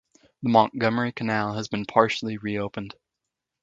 The Montgomery Canal has been partially re-opened.